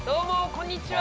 こんにちは！